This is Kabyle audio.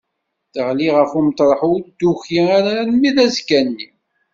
Teɣli ɣef umeṭreḥ ur d-tuki ara armi d azekka-nni.